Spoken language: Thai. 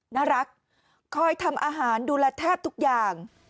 น่ารักคอยทำอาหารดูแลแทบทุกอย่าง